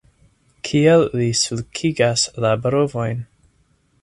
Kiel li sulkigas la brovojn!